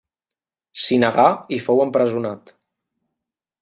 S'hi negà i fou empresonat.